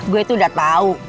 gue tuh udah tau